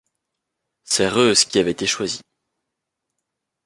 C'est Reus qui avait été choisi.